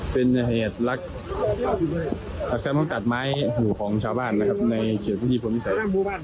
เป็นเหตุลักษณ์อักแซมตัดไม้หูของชาวบ้านในเฉียวภูมิผลพิเศษ